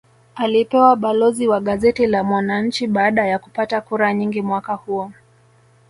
Alipewa balozi wa gazeti la mwananchi baada ya kupata kura nyingi mwaka huo